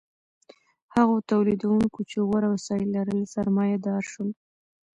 هغو تولیدونکو چې غوره وسایل لرل سرمایه دار شول.